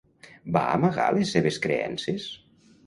Va amagar les seves creences?